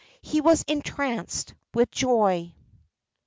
He was entranced with joy.